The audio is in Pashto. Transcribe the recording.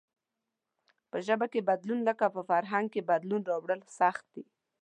په ژبه کې بدلون لکه په فرهنگ کې بدلون راوړل سخت دئ.